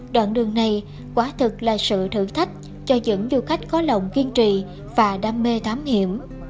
đoạn đường này quả thực là sự thử thách cho những du khách có lòng kiên trì và đam mê thám hiểm